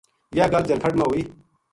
یاہ گل جلکھڈ ما ہوئی